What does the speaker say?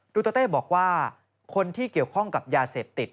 ดูเตอร์เต้บอกว่าคนที่เกี่ยวข้องกับยาเสพติด